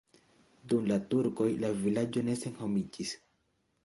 Dum la turkoj la vilaĝo ne senhomiĝis.